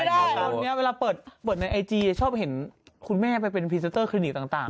ตอนนี้เวลาเปิดในไอจีจะชอบเห็นคุณแม่ไปเป็นพรีเซนเตอร์คลินิกต่าง